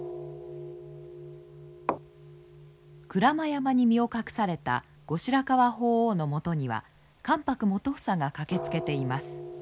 鞍馬山に身を隠された後白河法皇のもとには関白基房が駆けつけています。